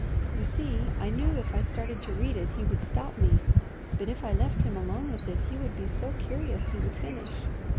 "You see, I knew if I started to read it he would stop me; but if I left him alone with it he would be so curious he would finish.